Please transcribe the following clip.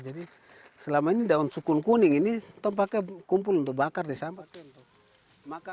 jadi selama ini daun sukun kuning ini kita pakai kumpul untuk bakar di sampah